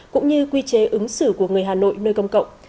cũng như quy chế ứng xử của người hà nội nơi công cộng